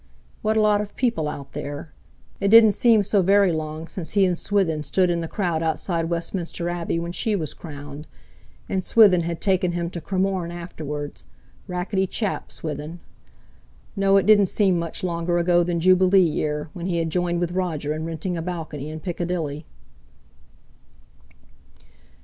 What a lot of people out there! It didn't seem so very long since he and Swithin stood in the crowd outside Westminster Abbey when she was crowned, and Swithin had taken him to Cremorne afterwards—racketty chap, Swithin; no, it didn't seem much longer ago than Jubilee Year, when he had joined with Roger in renting a balcony in Piccadilly.